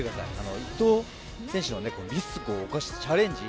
伊東選手のリスクを恐れずにチャレンジ。